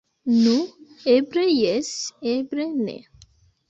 Nu, eble jes, eble ne.